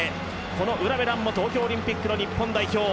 この卜部蘭も東京オリンピックの日本代表。